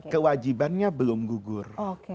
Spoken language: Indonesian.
kewajibannya belum gugur